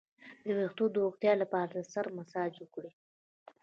د ویښتو د روغتیا لپاره د سر مساج وکړئ